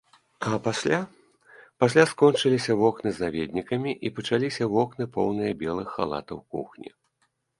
А пасля, пасля скончыліся вокны з наведнікамі і пачаліся вокны, поўныя белых халатаў кухні.